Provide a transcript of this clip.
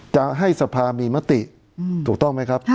จะให้สภามีมติถูกต้องไหมครับ